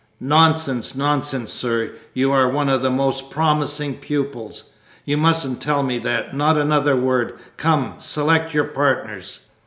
"Nonsense, nonsense, sir, you are one of my most promising pupils. You mustn't tell me that. Not another word! Come, select your partners."